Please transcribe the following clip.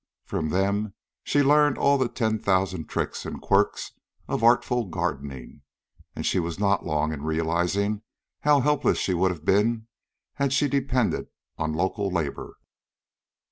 From them she learned all the ten thousand tricks and quirks of artful gardening, and she was not long in realizing how helpless she would have been had she depended on local labor.